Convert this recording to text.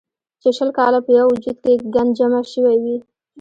چې شل کاله پۀ يو وجود کښې ګند جمع شوے وي